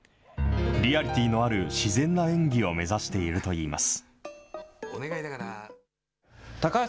リアリティーのある自然な演技を目指しているといいます。